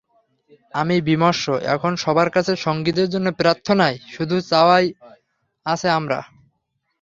আমি বিমর্ষ, এখন সবার কাছে সঙ্গীদের জন্য প্রার্থনাই শুধু চাওয়ার আছে আমার।